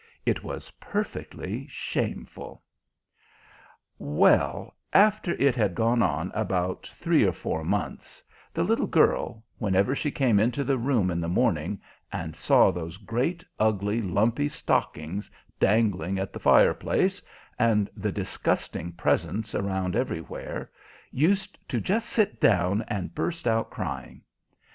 It was perfectly shameful! Well, after it had gone on about three or four months, the little girl, whenever she came into the room in the morning and saw those great ugly, lumpy stockings dangling at the fire place, and the disgusting presents around everywhere, used to just sit down and burst out crying.